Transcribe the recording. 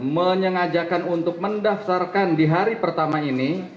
menyengajakan untuk mendaftarkan di hari pertama ini